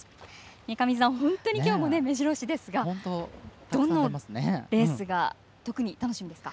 三上さん、本当に今日も目白押しですがどのレースが特に楽しみですか。